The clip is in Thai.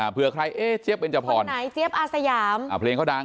เพื่อใครเจี๊ยบเป็นจภรคนไหนเจี๊ยบอาสยามเพลงก็ดัง